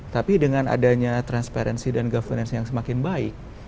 tapi dengan adanya transparency dan governance yang semakin baik